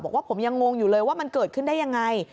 บอกว่าผมยังงงอยู่เลยว่ามันเกิดขึ้นได้ยังไง